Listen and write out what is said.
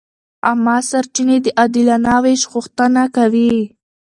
عامه سرچینې د عادلانه وېش غوښتنه کوي.